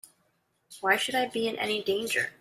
Why should I be in any danger?